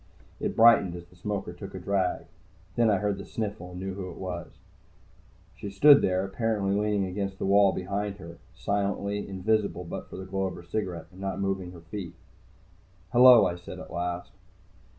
It brightened as the smoker took a drag. Then I heard the sniffle, and knew who it was. She stood there, apparently leaning against the wall behind her, silently, invisible but for the glow of her cigarette, and not moving her feet. "Hello," I said at last.